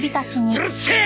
うるせえ！